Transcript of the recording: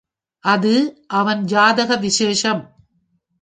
அது அவன் ஜாதக விசேஷம்.